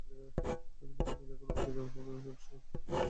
আমি তোমাদেরকে অনুমতি দেয়ার পূর্বে তোমরা এটাতে বিশ্বাস করলে?